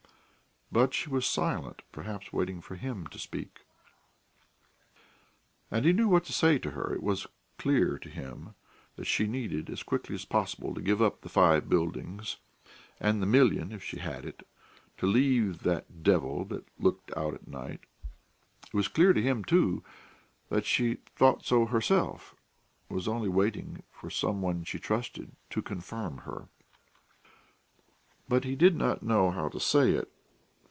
But she was silent, perhaps waiting for him to speak. And he knew what to say to her. It was clear to him that she needed as quickly as possible to give up the five buildings and the million if she had it to leave that devil that looked out at night; it was clear to him, too, that she thought so herself, and was only waiting for some one she trusted to confirm her. But he did not know how to say it.